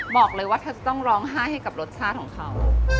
บอกเลยว่าถ้าจะต้องร้องไห้ให้กับรสชาติของเขา